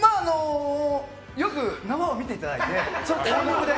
よく縄を見ていただいてそのタイミングで。